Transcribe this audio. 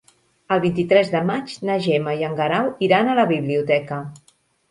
El vint-i-tres de maig na Gemma i en Guerau iran a la biblioteca.